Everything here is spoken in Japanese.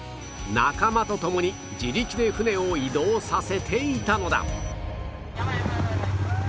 仲間と共に自力で船を移動させていたのだ